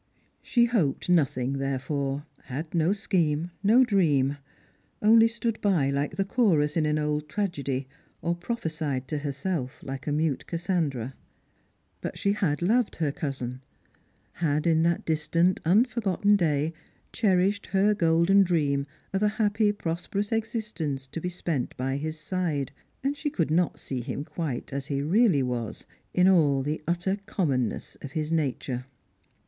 She hoped nothing therefore, had no scheme, no dream ; only stood by like the Chorus in aa old tragedy, or prophesied to herself, like a mute Cassandra. Strangers and Pilgrims. 2&7 But she had loved her cousin — had in that distant, nn for gotten day cherished her golden dream of a happy prosperous existence to be spent by his side — and she could not see him quite as he really was, in all the utter commonness of hia nature.